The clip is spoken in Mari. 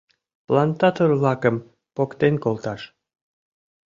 — Плантатор-влакым поктен колташ.